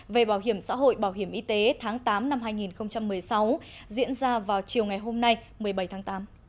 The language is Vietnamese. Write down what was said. về bảo hiểm xã hội bảo hiểm y tế tháng tám năm hai nghìn một mươi sáu diễn ra vào chiều ngày hôm nay một mươi bảy tháng tám